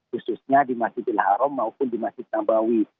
khususnya di masjidil haram maupun di masjid nabawi